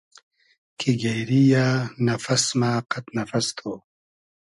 کی گېری یۂ نئفئس مۂ قئد نئفئس تو